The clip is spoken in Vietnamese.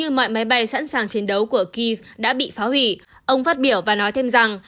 như mọi máy bay sẵn sàng chiến đấu của kiev đã bị phá hủy ông phát biểu và nói thêm rằng